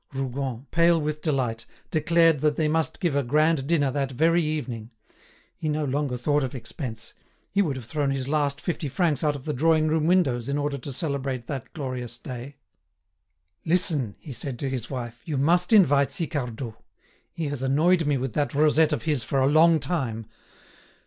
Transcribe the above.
Rougon, pale with delight, declared they must give a grand dinner that very evening. He no longer thought of expense; he would have thrown his last fifty francs out of the drawing room windows in order to celebrate that glorious day. "Listen," he said to his wife; "you must invite Sicardot: he has annoyed me with that rosette of his for a long time!